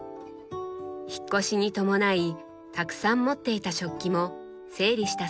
引っ越しに伴いたくさん持っていた食器も整理したそうです。